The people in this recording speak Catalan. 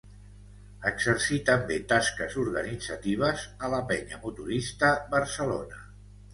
Exercí també tasques organitzatives a la Penya Motorista Barcelona.